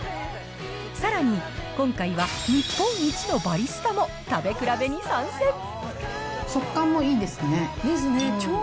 さらに、今回は日本一のバリスタも食べ比べに参戦。ですね。